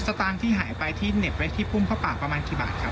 ตางค์ที่หายไปที่เหน็บไว้ที่พุ่มผ้าป่าประมาณกี่บาทครับ